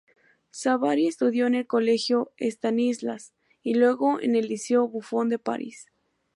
Savary estudió en el colegio Stanislas y luego en el liceo Buffon de París.